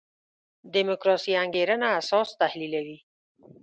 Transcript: دیموکراسي انګېرنه اساس تحلیلوي.